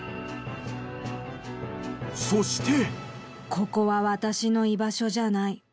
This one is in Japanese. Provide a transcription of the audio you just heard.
そしてここは私の居場所じゃない。